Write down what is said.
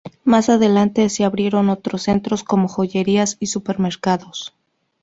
Más adelante se abrieron otros centros como joyerías y supermercados.